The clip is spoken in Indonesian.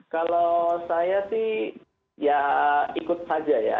kalau saya sih ya ikut saja ya